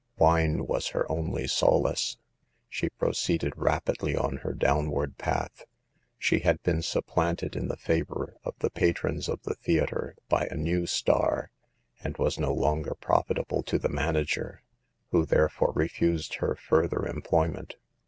Wine was her only solace. She proceeded rapidly on her downward path. She had been supplanted in the favor of the patrons of the theater by a new " star," and was no longer profitable to the manager, who therefore refused her further employment.